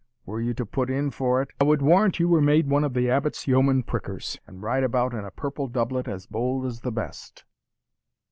Were you to put in for it, I would warrant you were made one of the Abbot's yeoman prickers, and ride about in a purple doublet as bold as the best."